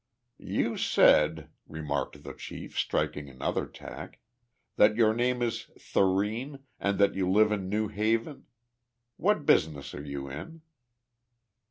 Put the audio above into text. "You said," remarked the chief, striking another tack, "that your name is Thurene and that you live in New Haven. What business are you in?"